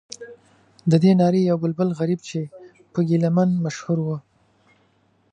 ددې نارې یو بلبل غریب چې په ګیله من مشهور و.